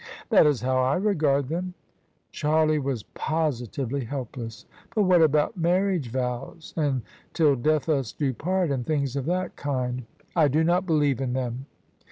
" That is how I regard them." Charlie was positively helpless. " But what about mar riage vows, and ' till death us do part,' and thing? of that kind?" " I do not believe in them."